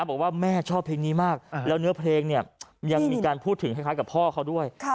บอกว่าแม่ชอบเพลงนี้มากแล้วเนื้อเพลงเนี่ยยังมีการพูดถึงคล้ายกับพ่อเขาด้วย